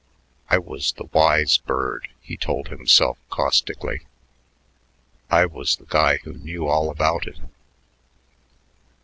"I was the wise bird," he told himself caustically; "I was the guy who knew all about it.